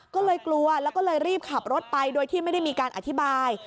ก็เลยกลัวแล้วก็เลยรีบขับรถไปโดยที่ไม่ได้มีการอธิบาย